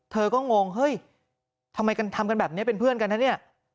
เธอก็งงเฮ้ยทำไมกันทำกันแบบนี้เป็นเพื่อนกันนะเนี่ย